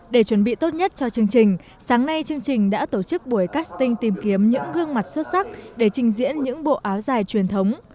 để chuẩn bị tốt nhất cho chương trình sáng nay chương trình đã tổ chức buổi casting tìm kiếm những gương mặt xuất sắc để trình diễn những bộ áo dài truyền thống